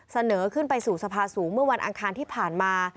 เสนอขึ้นไปสู่สภาสูงเมื่อวันอังคารที่ผ่านมา